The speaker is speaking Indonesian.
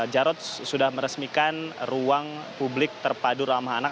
jarod sudah meresmikan ruang publik terpadu ramah anak